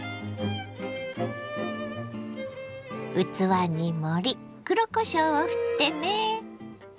器に盛り黒こしょうをふってね。